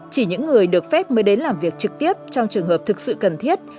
chỉ những người được phép mới đến làm việc trực tiếp trong trường hợp thực sự cần thiết